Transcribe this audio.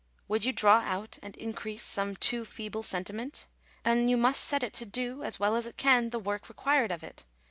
Would you draw out and increase some too feeble sentiment ? Then you must set it to do, as well as it can, the work required of it.